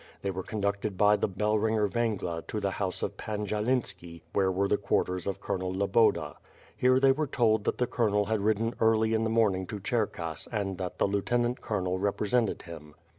They were conducted by the Bellringer Vengla to the house of Pan eTalenski, where were the quarters of Colonel Loboda. Here they were told that the colnriel had ridden early in the morninE^ to Cherkass and that the lieutenant colonel represented him.